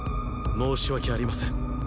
申し訳ありません。